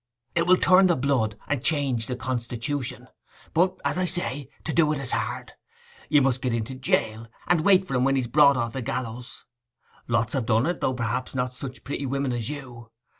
'It will turn the blood and change the constitution. But, as I say, to do it is hard. You must get into jail, and wait for him when he's brought off the gallows. Lots have done it, though perhaps not such pretty women as you.